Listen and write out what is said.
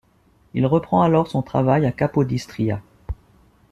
Il reprend alors son travail à Capodistria.